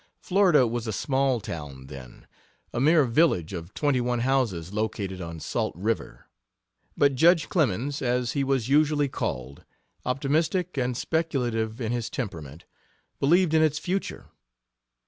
Florida was a small town then, a mere village of twenty one houses located on Salt River, but judge Clemens, as he was usually called, optimistic and speculative in his temperament, believed in its future.